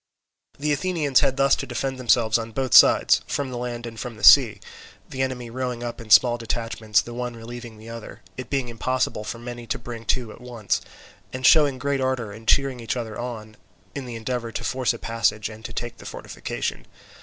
The Athenians had thus to defend themselves on both sides, from the land and from the sea; the enemy rowing up in small detachments, the one relieving the other—it being impossible for many to bring to at once—and showing great ardour and cheering each other on, in the endeavour to force a passage and to take the fortification.